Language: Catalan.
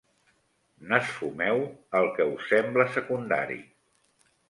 N'esfumeu el què us sembla secundari.